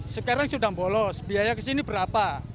sekarang sudah bolos biaya kesini berapa